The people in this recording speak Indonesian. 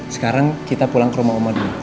sekarang kita pulang ke rumah omo dulu